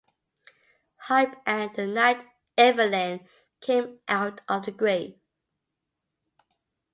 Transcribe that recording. Hype" and "The Night Evelyn Came Out of the Grave".